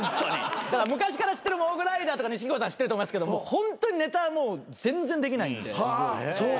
昔から知ってるモグライダーとか錦鯉さん知ってると思いますけどホントにネタもう全然できないんで。